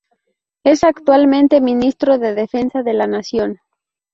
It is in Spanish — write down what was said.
Es actualmente ministro de Defensa de la Nación.